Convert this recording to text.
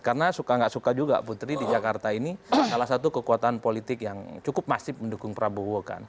karena suka tidak suka juga putri di jakarta ini salah satu kekuatan politik yang cukup masif mendukung prabowo